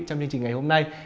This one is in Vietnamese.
trong chương trình ngày hôm nay